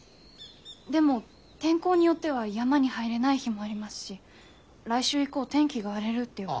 でも天候によっては山に入れない日もありますし来週以降天気が荒れるって予報。